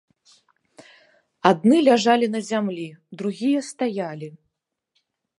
Адны ляжалі на зямлі, другія стаялі.